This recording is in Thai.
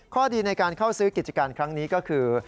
ดีในการเข้าซื้อกิจการครั้งนี้ก็คือ